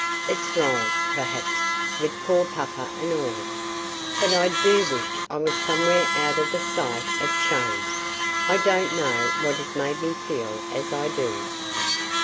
It's wrong, perhaps, with poor papa and all, but I do wish I was somewhere out of the sight of chains. I don't know what has made me feel as I do."